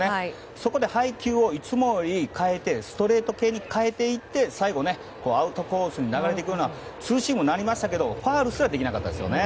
そこで、配球をいつもより変えてストレート系に変えていって最後、アウトコースに流れていくようなツーシームになりましたけどファウルすらできなかったですよね。